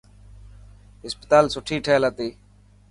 هاسپيٽل سٺي ٺهيل هتي.